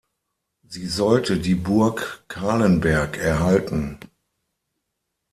Sie sollte die Burg Calenberg erhalten.